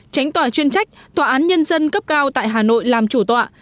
tránh tòa chuyên trách tòa án nhân dân cấp cao tại hà nội làm chủ tọa